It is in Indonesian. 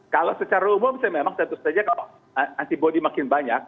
kalau secara umum saya memang tentu saja kalau antibody makin banyak